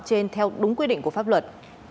trên theo đúng quy định của pháp luật